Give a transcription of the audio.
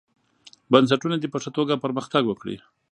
بنسټونه دې په ښه توګه پرمختګ وکړي.